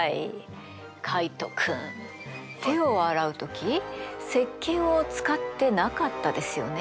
カイト君手を洗う時せっけんを使ってなかったですよね？